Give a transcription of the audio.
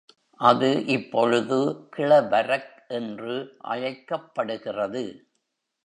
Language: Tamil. அது இப்பொழுது கிளவரக் என்று அழைக்கப்படுகிறது.